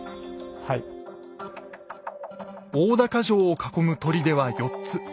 大高城を囲む砦は４つ。